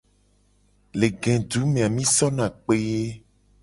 Le gedu me a mi sona kpe ye.